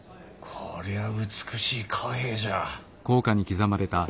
こりゃ美しい貨幣じゃ。